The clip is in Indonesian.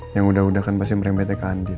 yang udah udah kan pasti merembetnya ke andien